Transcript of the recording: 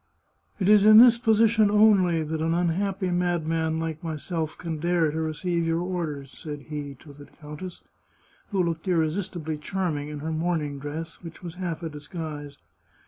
" It is in this position only that an unhappy madman like myself can dare to receive your orders," said he to the countess, who looked irresistibly charming in her morn ing dress, which was half a disguise.